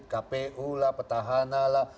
kpu lah petahana lah